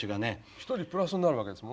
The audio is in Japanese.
１人プラスになるわけですもんね。